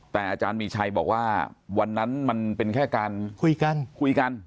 แต่อาจารย์มีชัยบอกว่าวันนั้นมันเป็นแค่การคุยกันคุยกัน